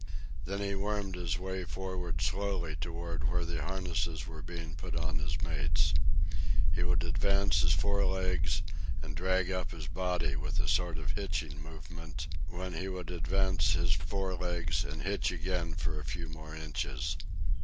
Then he wormed his way forward slowly toward where the harnesses were being put on his mates. He would advance his fore legs and drag up his body with a sort of hitching movement, when he would advance his fore legs and hitch ahead again for a few more inches.